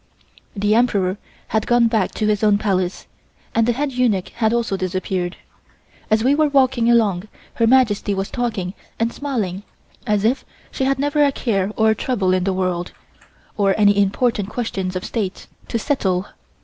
The Emperor had gone back to his own Palace, and the head eunuch had also disappeared. As we were walking along, Her Majesty was talking and smiling as if she had never a care or trouble in the world, or any important questions of state to settle.